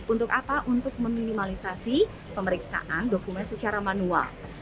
untuk apa untuk meminimalisasi pemeriksaan dokumen secara manual